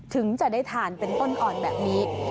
ถึงจะได้ทานเป็นต้นอ่อนแบบนี้